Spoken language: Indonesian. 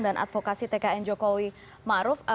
dan advokasi tkn jokowi maruf